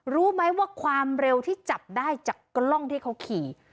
รู้ไหมว่าความเร็วที่จับได้จากกล้องที่เขาขี่